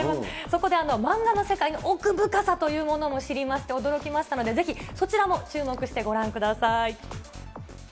そこで漫画の世界の奥深さというものも知りまして、驚きましたので、ぜひそちらも注目してご覧ください。